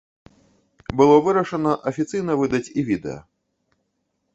Было вырашана афіцыйна выдаць і відэа.